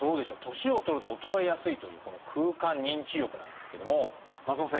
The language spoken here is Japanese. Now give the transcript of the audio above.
年を取ると衰えやすいというこの空間認知力なんですけども松本さん